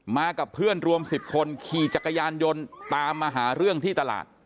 มากับเพื่อนรวม๑๐คนขี่จักรยานยนต์ตามมาหาเรื่องที่ตลาด